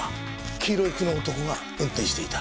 黄色い服の男が運転していた？